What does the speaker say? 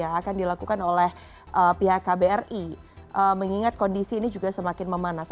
yang akan dilakukan oleh pihak kbri mengingat kondisi ini juga semakin memanas